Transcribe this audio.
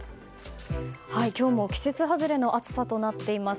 今日も季節外れの暑さとなっています。